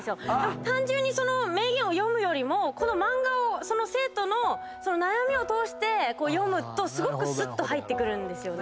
単純にその名言を読むよりもこの漫画をその生徒の悩みを通して読むとすごくすっと入ってくるんです。